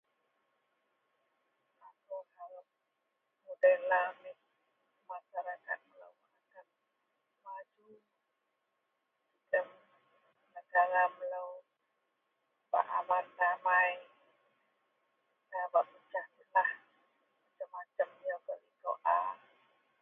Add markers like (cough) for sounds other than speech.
Akou arep mudei lau neh masarakat melou…. .. (unintelligible) maju jegem negara melou bak aman damai, nda bak pecah belah. Macem-macem yau gak likou a